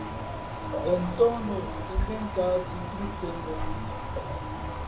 Ghen sǒh nā ǒ tᾱ ngēn kāāsǐ pí nsēn bǒ.